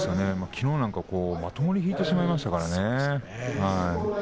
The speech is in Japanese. きのうなんか、まともに引いてしまいましたからね。